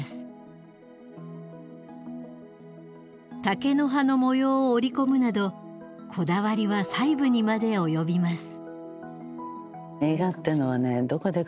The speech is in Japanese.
竹の葉の模様を織り込むなどこだわりは細部にまで及びます。